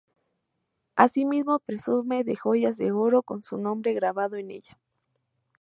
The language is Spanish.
Asimismo, presume de joyas de oro con su nombre grabado en ella.